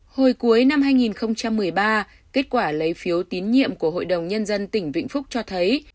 hồi cuối năm hai nghìn một mươi ba kết quả lấy phiếu tín nhiệm của hội đồng nhân dân tỉnh vĩnh phúc cho thấy